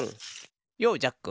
ようジャック。